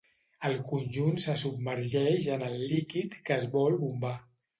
El conjunt se submergeix en el líquid que es vol bombar.